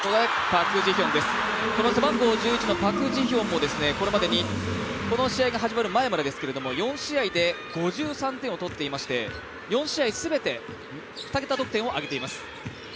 背番号１１のパク・ジヒョンも、これまでに、この試合が始まる前までですけども４試合で５３点を取っていまして４試合全て２桁得点を挙げています。